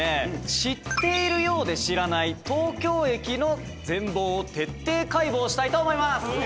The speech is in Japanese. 知っているようで知らない東京駅の全貌を徹底解剖したいと思います。